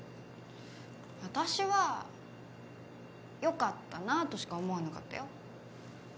私はよかったなとしか思わなかったよ。